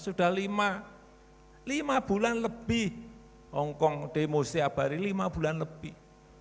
sudah lima bulan lebih hongkong demo setiap hari lima bulan lebih